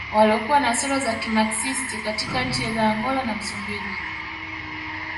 Waliokuwa na sera za kimaxist katika nchi za Angola na Msumbiji